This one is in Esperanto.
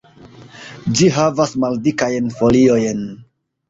Ĝi havas maldikajn foliojn.